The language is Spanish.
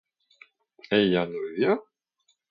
¿ella no vivía?